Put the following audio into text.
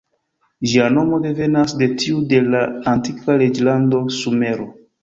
Ĝia nomo devenas de tiu de la antikva reĝlando Sumero.